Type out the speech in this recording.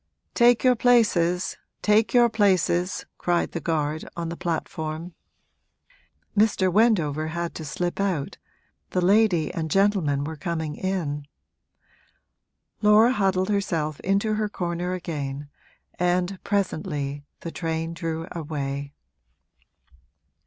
'Take your places, take your places!' cried the guard, on the platform. Mr. Wendover had to slip out, the lady and gentleman were coming in. Laura huddled herself into her corner again and presently the train drew away.